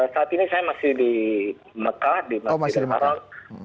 saat ini saya masih di mekah di masjid arab